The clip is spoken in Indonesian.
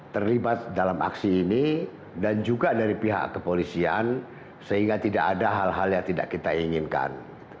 terlibat dalam aksi ini dan juga dari pihak kepolisian sehingga tidak ada hal hal yang tidak kita inginkan